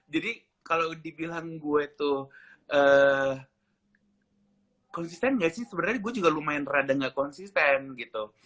jadi kalau dibilang gue tuh eee konsisten gak sih sebenernya gue juga lumayan rada gak konsisten gitu